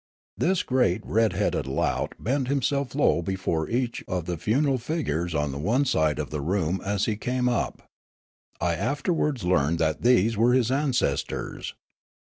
This great red headed lout bent himself low before each of the funereal figures on the one side of the room as he came up. I afterwards learned that these were his an cestors.